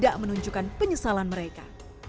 dan juga menunjukkan penyesalan mereka